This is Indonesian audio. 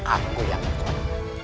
aku yang menggunya